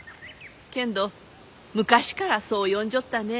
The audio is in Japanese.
けんど昔からそう呼んじょったね。